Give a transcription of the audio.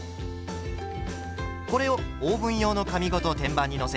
これをオーブン用の紙ごと天板に載せ